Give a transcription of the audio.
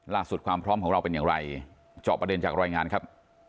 ความพร้อมของเราเป็นอย่างไรเจาะประเด็นจากรายงานครับ